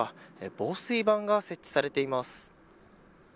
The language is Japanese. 防水板が設置されています。